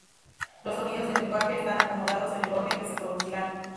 Los sonidos del lenguaje están acomodados en el orden que se producirán.